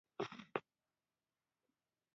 د قوانینو د جوړولو حق یې نه درلود.